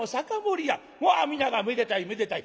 まあ皆が「めでたいめでたい」。